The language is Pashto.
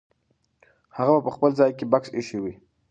هغه به په خپل ځای کې بکس ایښی وي.